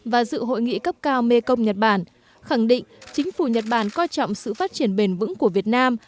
và dự hội nghị cấp cao mekong nhật bản khẳng định chính phủ nhật bản coi trọng sự phát triển bền vững của việt nam